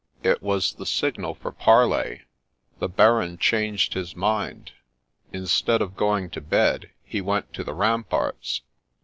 It was the signal for parley : the Baron changed his mind ; instead of going to bed, he went to the ramparts.